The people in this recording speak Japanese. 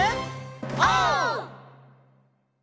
オー！